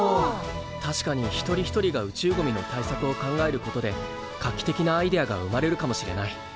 確かに一人一人が宇宙ゴミの対策を考えることで画期的なアイデアが生まれるかもしれない。